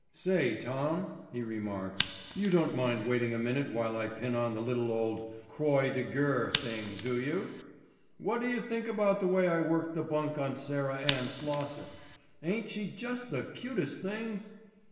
"Say, Tom," he remarked, "you don't mind waiting a minute while I pin on the little old Croy de Gerre thing, do you? What do you think about the way I worked the bunk on Sarah Ann Slosson? Ain't she just the cutest thing?"